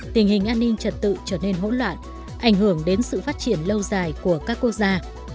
tình hình an ninh trật tự trở nên hỗn loạn ảnh hưởng đến sự phát triển lâu dài của các quốc gia